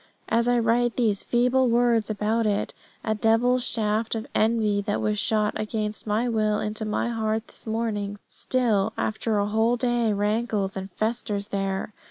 As I write these feeble words about it, a devil's shaft of envy that was shot all against my will into my heart this morning, still, after a whole day, rankles and festers there.